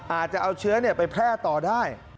อาจจะเอาเชื้อไปแพร่ต่อได้